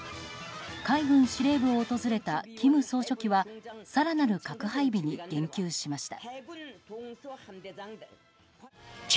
海軍司令部を訪れた金総書記は更なる核配備に言及しました。